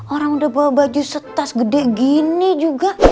orang udah bawa baju setas gede gini juga